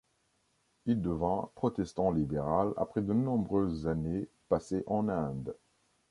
Il devint protestant libéral après de nombreuses années passées en Inde.